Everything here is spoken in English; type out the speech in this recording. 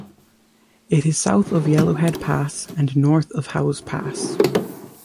It is south of Yellowhead Pass and north of Howse Pass.